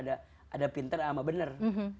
ada pinter sama benar